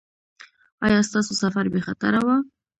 ایا ستاسو سفر بې خطره و؟